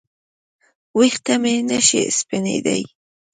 ویښته مې نشي سپینېدای